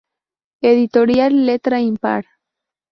Editorial Letra Impar.